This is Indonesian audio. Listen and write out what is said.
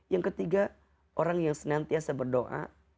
yang ketiga orang yang senantiasa berdoa